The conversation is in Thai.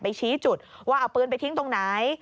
ชี้จุดว่าเอาปืนไปทิ้งตรงไหน